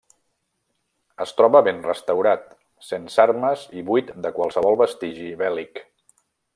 Es troba ben restaurat, sense armes i buit de qualsevol vestigi bèl·lic.